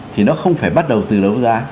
thì nó không phải bắt đầu từ đấu giá